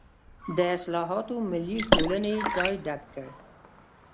د اصلاحاتو ملي ټولنې یې ځای ډک کړ.